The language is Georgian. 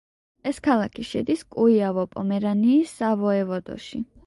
ეს ქალაქი შედის კუიავო-პომერანიის სავოევოდოში.